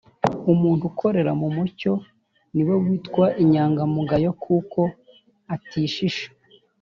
Umuntu ukorera mu mucyo ni we witwa inyangamugayo kuko atishisha